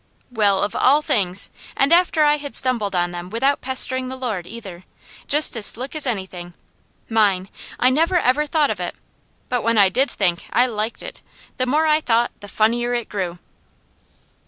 Well of all things! and after I had stumbled on them without pestering the Lord, either! Just as slick as anything! Mine! I never ever thought of it. But when I did think, I liked it. The more I thought, the funnier it grew.